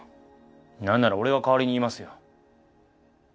なんなら俺が代わりに言いますよ。